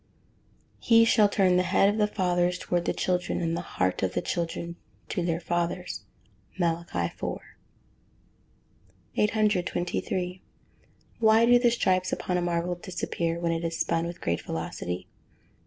[Verse: "He shall turn the heart of the fathers towards the children, and the heart of the children to their fathers." MALACHI IV.] 823. _Why do the stripes upon a marble disappear when it is spun with great velocity?